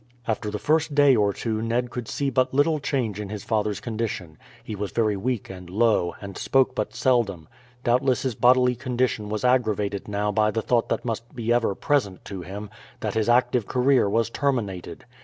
After the first day or two Ned could see but little change in his father's condition; he was very weak and low, and spoke but seldom. Doubtless his bodily condition was aggravated now by the thought that must be ever present to him that his active career was terminated.